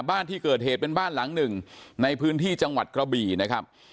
บ้านที่เกิดเหตุเป็นบ้านหลังหนึ่งในพื้นที่จังหวัดกระบี่นะครับ